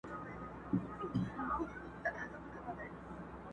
پر غزل مي دي جاګیر جوړ کړ ته نه وې.!